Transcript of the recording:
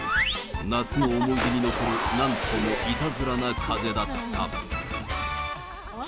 夏の思い出に残る、なんともいたずらな風だった。